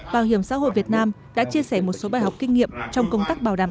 bảo hiểm xã hội việt nam đã chia sẻ một số bài học kinh nghiệm trong công tác bảo đảm